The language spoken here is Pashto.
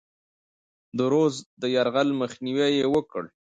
د رودز د یرغل مخنیوی یې وکړ.